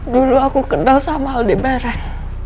dulu aku kenal sama halde barat